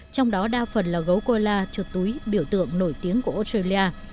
trong đó đa phần là gấu cola chuột túi biểu tượng nổi tiếng của australia